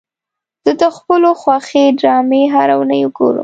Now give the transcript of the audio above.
زه د خپلو خوښې ډرامې هره اونۍ ګورم.